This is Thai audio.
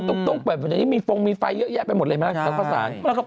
พอตุ๊กเปิดวันจะได้มีฟรงมีไฟเยอะแยะไปหมดเลยนึกพัดศาล